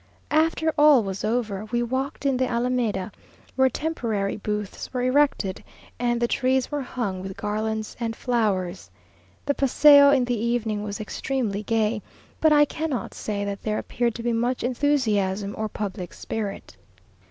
After all was over, we walked in the Alameda, where temporary booths were erected, and the trees were hung with garlands and flowers. The paseo in the evening was extremely gay; but I cannot say that there appeared to be much enthusiasm or public spirit.